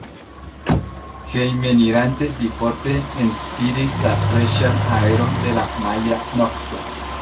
Hejmenirante li forte enspiris la freŝan aeron de la maja nokto.